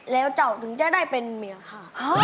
แล้วเจ้าถึงจะได้เป็นเมียค่ะ